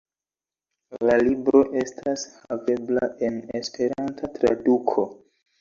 La libro estas havebla en esperanta traduko.